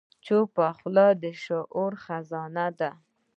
چپه خوله، د شعور خزانه ده.